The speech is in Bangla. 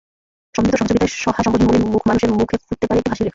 সম্মিলিত সহযোগিতায় সহায়-সম্বলহীন মলিন মুখ মানুষের মুখে ফুটতে পারে একটু হাসির রেখা।